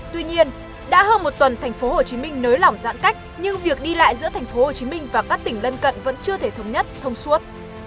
tuy nhiên đã hơn một tuần tp hcm nới lỏng giãn cách nhưng việc đi lại giữa tp hcm và các tỉnh lân cận vẫn chưa thể thống nhất thông suốt